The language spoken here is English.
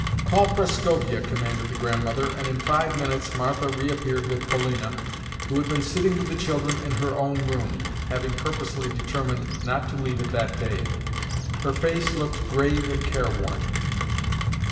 "Call Prascovia," commanded the Grandmother, and in five minutes Martha reappeared with Polina, who had been sitting with the children in her own room (having purposely determined not to leave it that day). Her face looked grave and careworn.